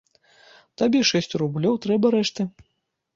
Табе шэсць рублёў трэба рэшты.